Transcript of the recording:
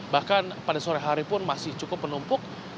bahkan pada sore hari pun masih cukup penumpuk